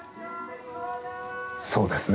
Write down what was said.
そうですね。